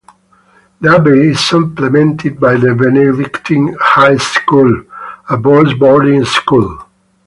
The abbey is supplemented by the Benedictine High School, a boys' boarding school.